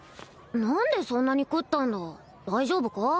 何でそんなに食ったんだ大丈夫か？